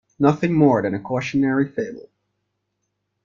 Nothing more than a cautionary fable.